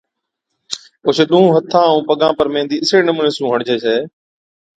اوڇي ڏُونھُون ھٿان ائُون پگان پر ميھندِي اِسڙي نمُوني سُون ھَڻجي ڇَي